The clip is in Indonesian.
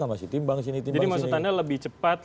masih timbang sini timbang sini jadi maksud anda lebih cepat